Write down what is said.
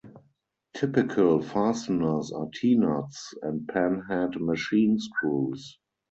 Typical fasteners are T-nuts and pan-head machine screws.